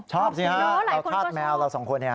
ชอบสิฮะเราคาดแมวเราสองคนเนี่ย